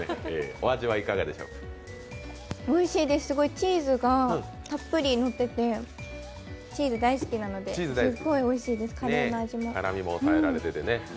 おいしいです、チーズがたっぷりのっててチーズ大好きなので、すっごいおいしいです、カレーの味も。